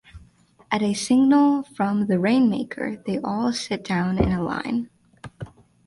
At a signal from the rainmaker, they all sit down in a line.